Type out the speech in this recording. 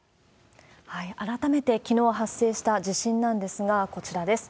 改めて、きのう発生した地震なんですが、こちらです。